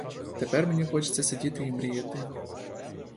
Тепер мені хочеться сидіти і мріяти.